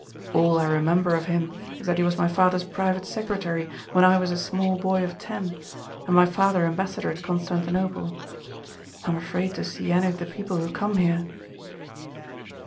All I remember of him is that he was my father's private secretary when I was a small boy of ten and my father ambassador at Constantinople. I'm afraid to see any of the people who come here."